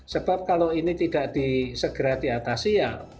sebab kalau ini tidak segera diatasi ya